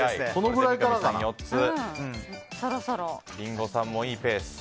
リンゴさんもいいペース。